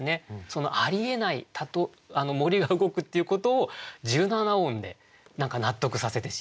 そのありえない森が動くっていうことを１７音で納得させてしまったというか。